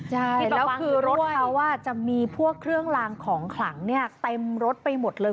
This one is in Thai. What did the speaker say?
ที่บอกว่าคือรถเขาจะมีพวกเครื่องลางของขลังเต็มรถไปหมดเลย